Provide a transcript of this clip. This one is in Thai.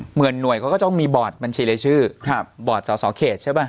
หน่วยเขาก็ต้องมีบอร์ดบัญชีรายชื่อบอร์ดสอสอเขตใช่ป่ะ